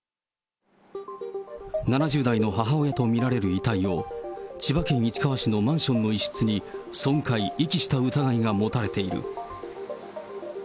７０代の母親と見られる遺体を、千葉県市川市のマンションの一室に損壊・遺棄した疑いが持たれている。